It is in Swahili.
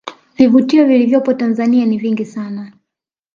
Vivutio vilivyopo tanzania ni vingi sana